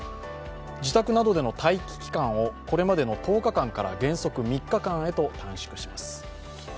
自宅などでの待機期間をこれまでの１０日間から原則３日間へと短縮します。